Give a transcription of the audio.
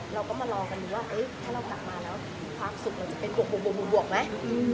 เราก็มารอกันดูว่าถ้าเรากลับมาแล้วความสุขมันจะเป็นบวกไหม